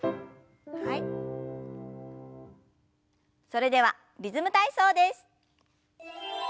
それでは「リズム体操」です。